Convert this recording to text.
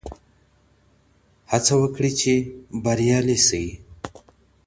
هڅه وکړئ چې بریالي شئ.